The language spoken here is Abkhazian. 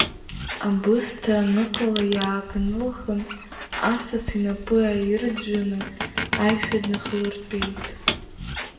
Абысҭа аныҟала иаакнылхын, асас инапы ааирӡәӡәаны аишәа днахалыртәеит.